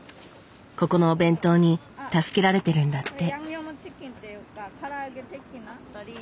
ここのお弁当に助けられてるんだって。